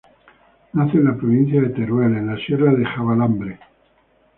Nace en la provincia de Teruel, en la sierra de Javalambre.